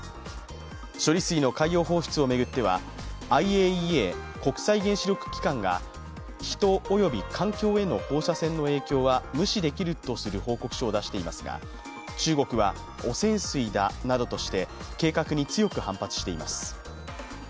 処理水の海洋法出を巡ってはＩＡＥＡ＝国際原子力機関が人および環境への放射線の影響は無視できるとする報告書を出していますが、中国は汚染水だなどとして計画に強く反発しています。